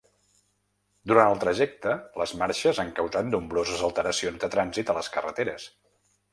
Durant el trajecte, les marxes han causat nombroses alteracions de trànsit a les carreteres.